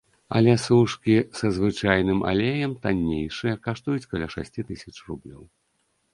Але сушкі са звычайным алеем таннейшыя, каштуюць каля шасці тысяч рублёў.